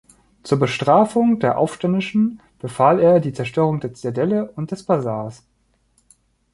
Zur Bestrafung der Aufständischen befahl er die Zerstörung der Zitadelle und des Basars.